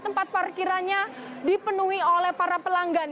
tempat parkirannya dipenuhi oleh para pelanggan